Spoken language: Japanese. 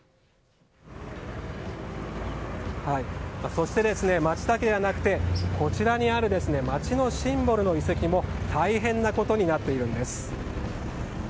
そして、街だけではなくてこちらにある街のシンボルの遺跡も大変なことになっているんです。